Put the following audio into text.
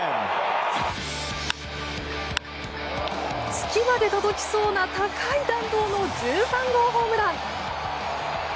月まで届きそうな高い弾道の１３号ホームラン！